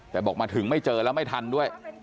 แต่บอกมาถึงไม่เจอแล้วไม่ทันด้วย